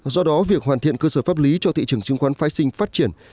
do đó việc hoàn thiện cơ sở pháp lý cho thị trường chứng khoán phái sinh phát triển